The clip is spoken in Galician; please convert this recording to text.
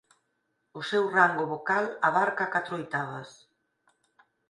O seu rango vocal abarca catro oitavas.